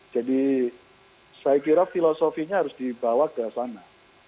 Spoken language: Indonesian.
jadi saya kira filosofinya harus dibawa ke sana